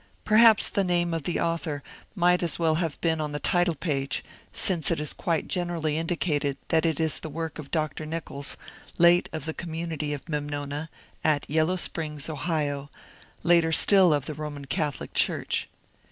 Perhaps the name of the author might MEMNONA 263 as well have been on the title pa^e, since it is quite generally indicated that it is the work of Dr. Nichols, late of the com munity of Memnona, at Yellow Springs, Ohio, later still of the Roman Catholic Church.